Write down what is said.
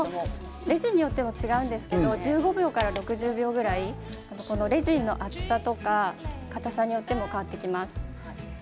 レジンによって違うんですが１５秒から６０秒ぐらいレジンの熱さ、硬さによって変わってきます。